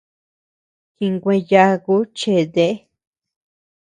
Jinkuee yaaku chete.